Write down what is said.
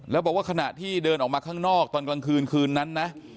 แล้วบอกว่าขณะที่เดินออกมาข้างนอกตอนกลางคืนคืนนั้นนะ